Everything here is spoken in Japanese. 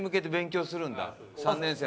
３年生。